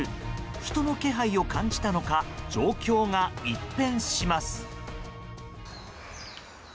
人の気配を感じたのか状況が一変します。